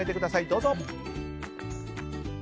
どうぞ。